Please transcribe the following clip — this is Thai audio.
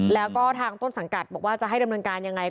แล้วก็ทางต้นสังกัดบอกว่าจะให้ดำเนินการยังไง